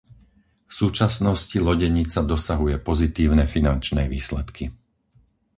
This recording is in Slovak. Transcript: V súčasnosti lodenica dosahuje pozitívne finančné výsledky.